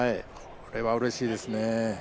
これはうれしいですね。